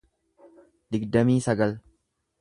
digdamii sagal